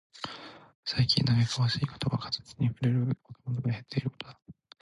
最近嘆かわしいことは、活字に触れる若者が減っていることだ。